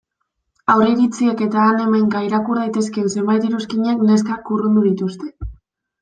Aurreiritziek eta han-hemenka irakur daitezkeen zenbait iruzkinek neskak urrundu dituzte.